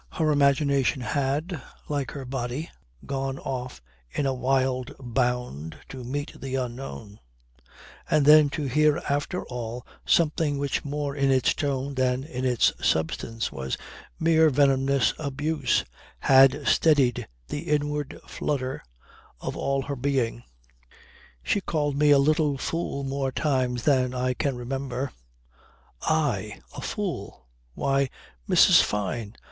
Her imagination had, like her body, gone off in a wild bound to meet the unknown; and then to hear after all something which more in its tone than in its substance was mere venomous abuse, had steadied the inward flutter of all her being. "She called me a little fool more times than I can remember. I! A fool! Why, Mrs. Fyne!